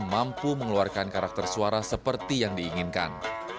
mampu mengeluarkan karakter suara seperti yang diinginkan